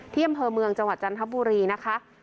อำเภอเมืองจังหวัดจันทบุรีนะคะ